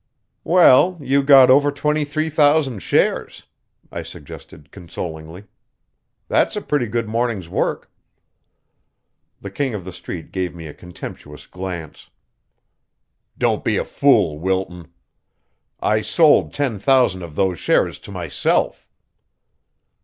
"Well, you got over twenty three thousand shares," I suggested consolingly. "That's a pretty good morning's work." The King of the Street gave me a contemptuous glance. "Don't be a fool, Wilton. I sold ten thousand of those shares to myself."